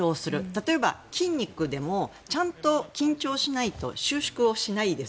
例えば、筋肉でもちゃんと緊張しないと収縮をしないです。